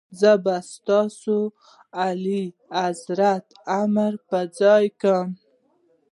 زه به ستاسي اعلیحضرت امر پر ځای کوم.